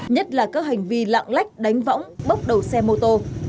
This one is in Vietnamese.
nhất là các hành vi lạng lách đánh võng bốc đầu xe mô tô